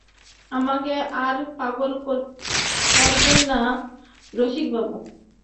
আমাকে আর পাগল করবেন না রসিকবাবু!